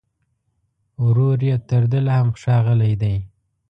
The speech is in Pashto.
ورور يې تر ده لا هم ښاغلی دی